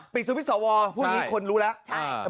สวิตช์สวพรุ่งนี้คนรู้แล้ว